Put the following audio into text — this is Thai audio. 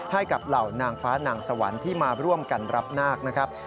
เหล่านางฟ้านางสวรรค์ที่มาร่วมกันรับนาคนะครับ